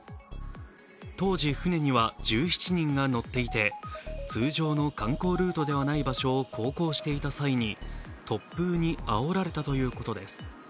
当時、船には１７人が乗っていて通常の観光ルートではない場所を航行していた際に突風にあおられたということです。